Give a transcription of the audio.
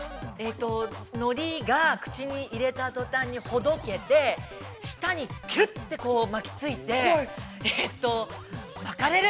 ◆海苔が、口に入れた途端に、ほどけて、下にきゅっと、巻きついて、巻かれる。